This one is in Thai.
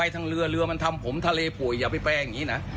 ทางเรือเรือมันทำผมทะเลป่วยอย่าไปแปลงอย่างนี้นะ